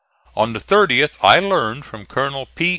On the 30th I learned from Colonel P.